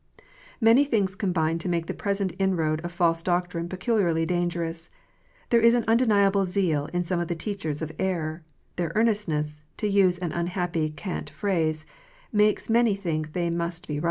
Many things combine to make the present inroad of false doctrine peculiarly dangerous. There is an undeniable zeal in some of the teachers of error : their " earnestness " (to use an unhappy cant phrase) makes many think they must be right.